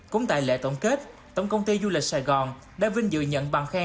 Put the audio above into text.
cũng tại lễ tổng kết tổng công ty du lịch sài gòn đã vinh dự nhận bằng khen